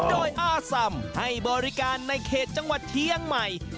โดยอ้าสำให้บริการในเขตจังหวัดเทียงใหม่